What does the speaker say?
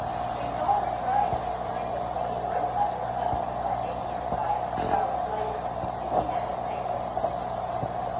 We saw her trying to climb the swinging rope ladder up the Carpathia's side a few hours later, and she had the same difficulty.